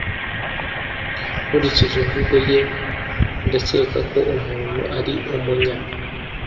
Nkurikije imvugo ye ndakeka ko umuntu ari Umunya